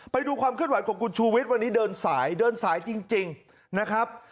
ไปดูความเคลื่อนไหวของคุณชูวิทย์วันนี้เดินสายเดินสายจริงนะครับ